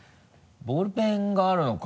ボールペンがあるのか？